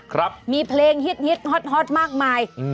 ครับมีเพลงฮิตฮอตมากมาย